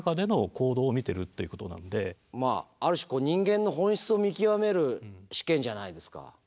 まあある種人間の本質を見極める試験じゃないですか。